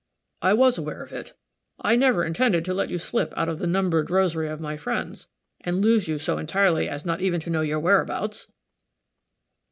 "I was aware of it. I never intended to let you slip out of the numbered rosary of my friends, and lose you so entirely as not even to know your whereabouts."